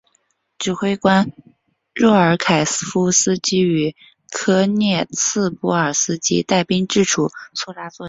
指挥官若乌凯夫斯基与科涅茨波尔斯基带兵至楚措拉作战。